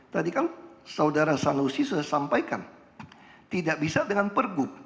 tadi kan saudara sanusi sudah sampaikan tidak bisa dengan pergub